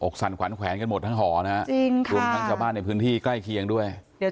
สั่นขวัญแขวนกันหมดทั้งหอนะฮะจริงค่ะรวมทั้งชาวบ้านในพื้นที่ใกล้เคียงด้วย